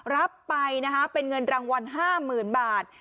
รับไปนะคะเป็นเงินรางวัล๕๐๐๐บาท